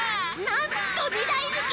なんと２だいぬき！